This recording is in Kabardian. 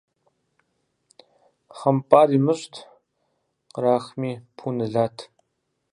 ХъымпIар имыщIт, кърахми пу нэлат.